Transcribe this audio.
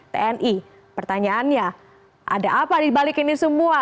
tni pertanyaannya ada apa dibalik ini semua